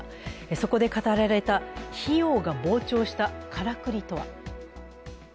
そこで語られた費用が膨張したからくりとは。